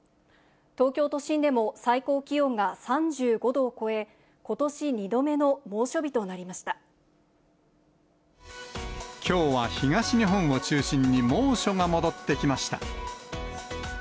東京都心でも最高気温が３５度を超え、ことし２度目の猛暑日となきょうは東日本を中心に猛暑が戻ってきました。